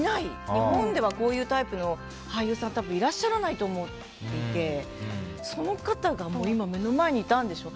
日本ではこういうタイプの俳優さんいらっしゃらないと思っていてその方が、今目の前にいたんでしょ。